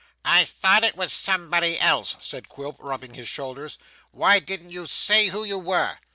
'I thought it was somebody else,' said Quilp, rubbing his shoulders, 'why didn't you say who you were?